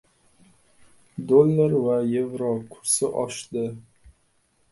Dollar va yevro kursi oshdi